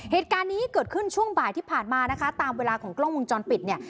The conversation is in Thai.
เหตุการณ์นี้เกิดขึ้นช่วงบ่ายที่ผ่านมานะคะตามเวลาของกล้องวงจรปิดเนี่ย